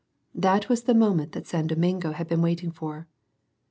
This was the moment that San Domingo had been waiting for.